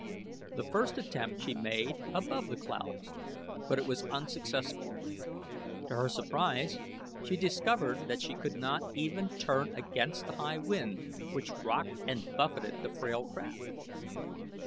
The first attempt she made above the clouds, but it was unsuccessful. To her surprise she discovered that she could not even turn against the high wind, which rocked and buffeted the frail craft.